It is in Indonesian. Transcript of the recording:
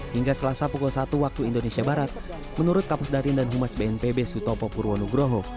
hingga selasa pukul satu waktu indonesia barat menurut kapus darin dan humas bnpb sutopo purwonugroho